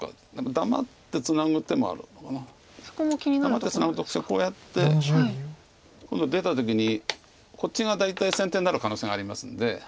黙ってツナぐとこうやって今度出た時にこっちが大体先手になる可能性がありますんで。